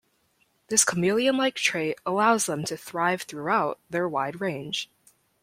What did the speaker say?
This chameleon-like trait allows them to thrive throughout their wide range.